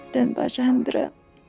dan pak chandra